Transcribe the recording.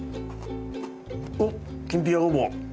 おっきんぴらごぼう！